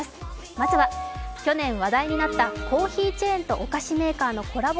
まずは去年話題になったコーヒーチェーンとお菓子メーカーのコラボ